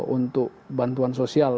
untuk bantuan sosial